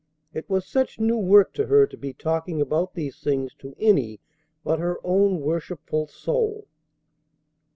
It was such new work to her to be talking about these things to any but her own worshipful soul.